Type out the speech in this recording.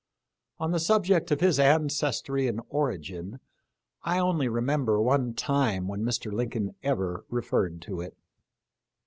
On the subject of his ancestry and origin I only remember one time when Mr. Lincoln ever referred to it.